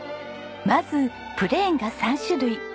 まずプレーンが３種類。